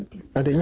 kalau si adeknya